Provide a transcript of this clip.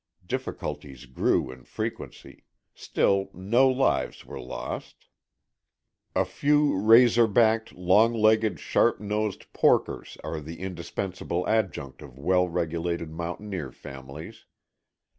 Difficulties grew in frequency; still no lives were lost. A few razor backed, long legged, sharp nosed porkers are the indispensable adjunct of well regulated mountaineer families.